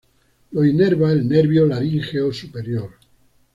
Lo inerva el nervio laríngeo superior.